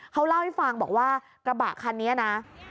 เขาเล่าให้ฟังบอกว่ากระบะคันนี้นะ